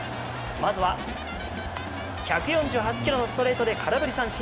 まずは１４８キロのストレートで空振り三振。